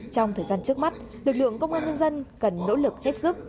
trong thời gian trước mắt lực lượng công an nhân dân cần nỗ lực hết sức